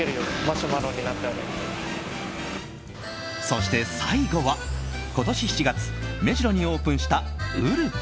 そして最後は今年７月、目白にオープンしたｕｌｕｃａ。